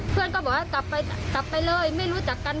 เพื่อนก็บอกว่ากลับไปกลับไปเลยไม่รู้จักกัน